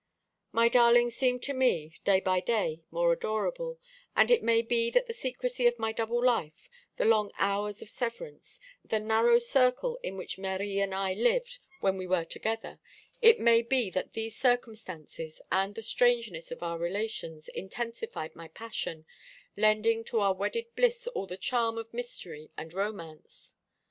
My darling seemed to me, day by day, more adorable, and it may be that the secrecy of my double life, the long hours of severance, the narrow circle in which Marie and I lived when we were together it may be that these circumstances, and the strangeness of our relations, intensified my passion, lending to our wedded bliss all the charm of mystery and romance.